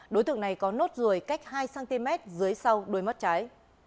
đối tượng này có nốt ruồi cách hai cm dưới sau đôi mắt trái